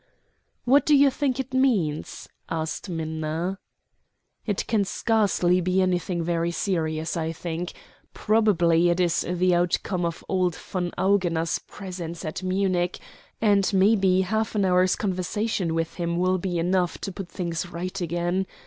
"What do you think it means?" asked Minna. "It can scarcely be anything very serious, I think. Probably it is the outcome of old von Augener's presence at Munich, and maybe half an hour's conversation with him will be enough to put things right again.